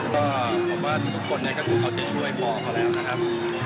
ผมว่าทุกคนก็รู้ว่าเขาจะช่วยพ่อเขาแล้วนะครับ